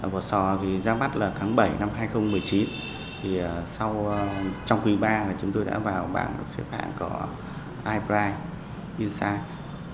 vò sò ra mắt tháng bảy năm hai nghìn một mươi chín trong quý ba chúng tôi đã vào bảng xếp hạng có i prize insight